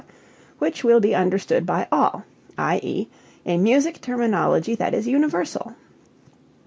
which will be understood by all, i.e., a music terminology that is universal.